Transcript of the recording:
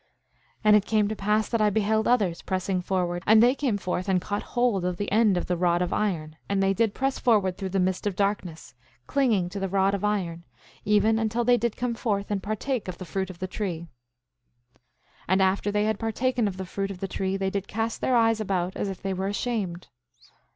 8:24 And it came to pass that I beheld others pressing forward, and they came forth and caught hold of the end of the rod of iron; and they did press forward through the mist of darkness, clinging to the rod of iron, even until they did come forth and partake of the fruit of the tree. 8:25 And after they had partaken of the fruit of the tree they did cast their eyes about as if they were ashamed.